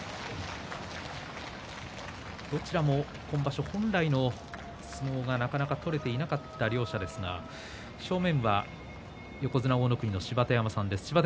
どちらも今場所、本来の相撲がなかなか取れていなかった両者ですが正面は横綱大乃国の芝田山さんです。